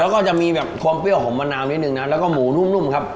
แล้วก็จะมีแบบความเปรี้ยวของมะนาวนิดนึงนะแล้วก็หมูนุ่มครับ